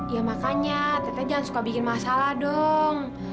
ya makanya kita jangan suka bikin masalah dong